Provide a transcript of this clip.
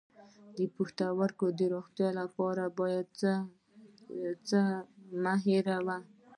د پښتورګو د روغتیا لپاره باید څه مه هیروم؟